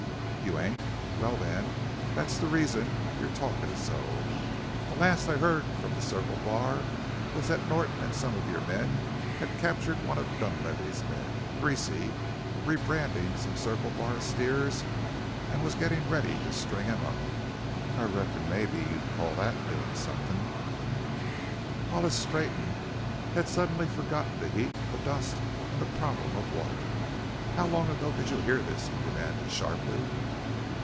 "You ain't! Well, then, that's the reason you're talkin' so. The last I heard from the Circle Bar was that Norton an' some of your men had captured one of Dunlavey's men Greasy rebrandin' some Circle Bar steers an' was gettin' ready to string him up. I reckon mebbe you'd call that doin' somethin'!" Hollis straightened. He had suddenly forgotten the heat, the dust, and the problem of water. "How long ago did you hear this?" he demanded sharply.